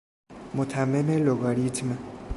متمم لگاریتم